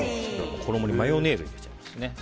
衣にマヨネーズを入れちゃいますね。